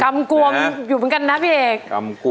กวมอยู่เหมือนกันนะพี่เอก